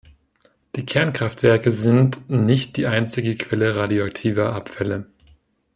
Die Kernkraftwerke sind nicht die einzige Quelle radioaktiver Abfälle.